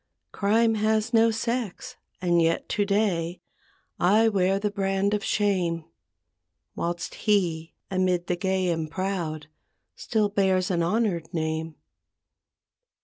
Crime has no sex and yet to day I wear the brand of shame; Whilst he amid the gay and proud Still bears an honored name.